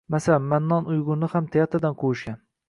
Masalan, Mannon Uyg‘urni ham teatrdan quvishgan.